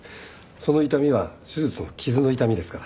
その痛みは手術の傷の痛みですから。